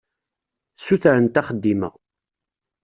Ssutrent axeddim-a.